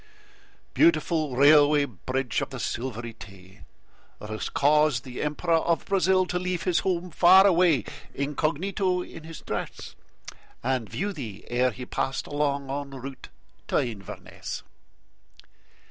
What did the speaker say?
Beautiful Railway Bridge of the Silvery Tay! That has caused the Emperor of Brazil to leave His home far away, incognito in his dress, And view thee ere he passed along en route to Inverness.